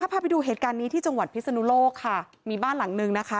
พาไปดูเหตุการณ์นี้ที่จังหวัดพิศนุโลกค่ะมีบ้านหลังนึงนะคะ